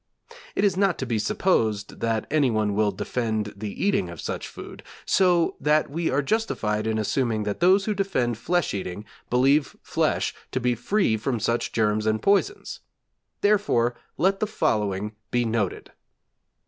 It is not to be supposed that anyone will defend the eating of such food, so that we are justified in assuming that those who defend flesh eating believe flesh to be free from such germs and poisons; therefore let the following be noted.